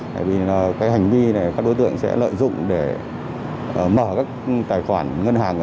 tại vì cái hành vi này các đối tượng sẽ lợi dụng để mở các tài khoản ngân hàng